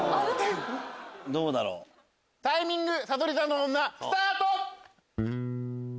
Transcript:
タイミングさそり座の女スタート！